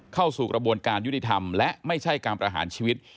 เข้าสู่กระบวนการยุติธรรมและไม่ใช่การประหารชีวิต